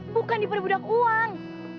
bukan diperbudak uang